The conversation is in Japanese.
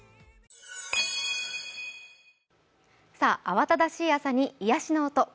慌ただしい朝に癒やしの音。